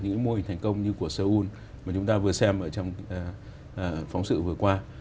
những mô hình thành công như của seoul mà chúng ta vừa xem ở trong phóng sự vừa qua